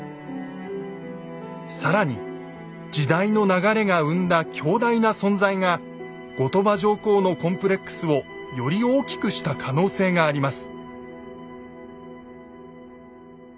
更に時代の流れが生んだ「強大な存在」が後鳥羽上皇のコンプレックスをより大きくした可能性があります。